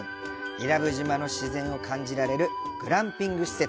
伊良部島の自然を感じられるグランピング施設。